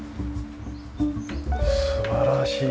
素晴らしい玄関。